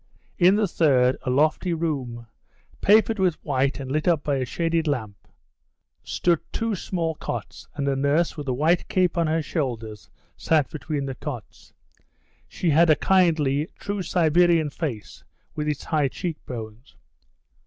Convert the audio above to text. In the third, a lofty room, papered with white and lit up by a shaded lamp, stood two small cots, and a nurse with a white cape on her shoulders sat between the cots. She had a kindly, true Siberian face, with its high cheek bones.